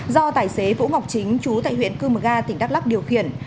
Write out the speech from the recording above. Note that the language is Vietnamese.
do tài xế vũ ngọc chính chú tại huyện cư mực ga tỉnh đắk lắk điều khiển